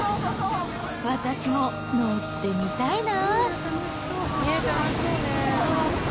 私も乗ってみたいな。